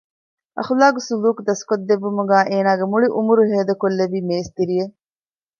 އަޚުލާޤާ ސުލޫކު ދަސްކޮށްދެއްވުމުގައި އޭނާގެ މުޅި އުމުރު ހޭދަކޮށްލެއްވި މޭސްތިރިއެއް